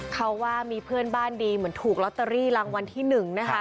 เขาว่ามีเพื่อนบ้านดีเหมือนถูกลอตเตอรี่รางวัลที่๑นะคะ